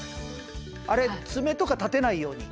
あれ爪とか立てないように。